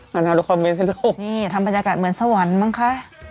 มาดูคอมเมนต์สิลูกนี่ทำบรรยากาศเหมือนสวรรค์บ้างคะ